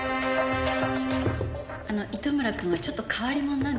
あの糸村君はちょっと変わり者なんで。